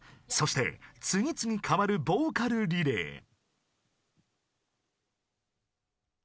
［そして次々変わるボーカルリレー］